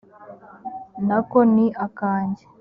na ko ni akanjye